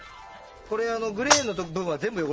これグレーの部分は全部汚れだから。